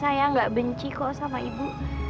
sebenarnya saya gak benci kok sama ibu